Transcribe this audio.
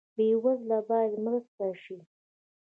بې وزله باید مرسته شي